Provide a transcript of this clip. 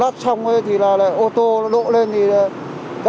thế thì tiền đâu ra